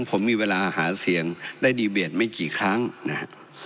ผมมีเวลาหาเสียงได้ดีเบตไม่กี่ครั้งนะครับ